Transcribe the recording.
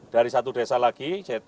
dari satu desa lagi